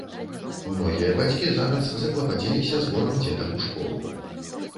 Многія бацькі зараз заклапаціліся зборам дзетак у школу.